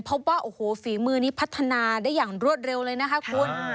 พบว่าโอ้โหฝีมือนี้พัฒนาได้อย่างรวดเร็วเลยนะคะคุณ